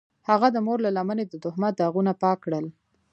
هغه د مور له لمنې د تهمت داغونه پاک کړل.